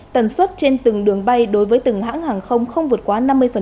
tần suất trên từng đường bay đối với từng hãng hàng không không vượt quá năm mươi